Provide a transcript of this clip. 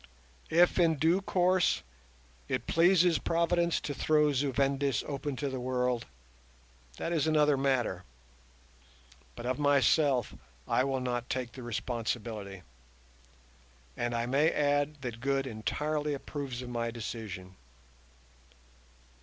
If in due course it pleases Providence to throw Zu Vendis open to the world, that is another matter; but of myself I will not take the responsibility, and I may add that Good entirely approves of my decision.